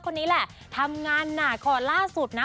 คนนี้แหละทำงานหนักคอล่าสุดนะ